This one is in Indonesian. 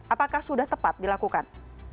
apakah sudah tepat dilakukan